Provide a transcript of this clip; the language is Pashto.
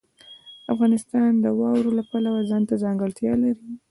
افغانستان د واوره د پلوه ځانته ځانګړتیا لري.